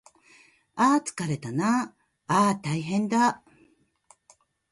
ああああつかれたなああああたいへんだ